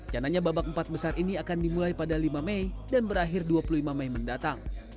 cananya babak empat besar ini akan dimulai pada lima mei dan berakhir dua puluh lima mei mendatang